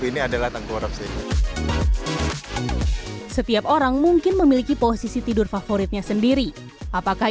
ini adalah tengkurap sini setiap orang mungkin memiliki posisi tidur favoritnya sendiri apakah